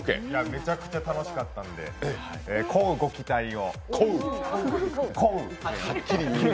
めちゃくちゃ楽しかったんで、乞うご期待を。